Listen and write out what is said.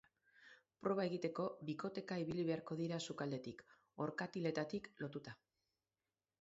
Proba egiteko, bikoteka ibili beharko dira sukaldetik, orkatiletatik lotuta.